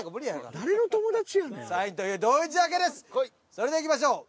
それではいきましょう。